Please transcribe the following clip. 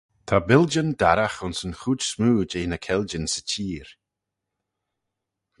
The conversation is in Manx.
Ta billjyn darragh ayns yn chooid smoo jeh ny keljyn 'sy çheer.